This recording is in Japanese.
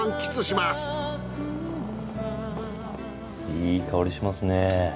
いい香りしますね。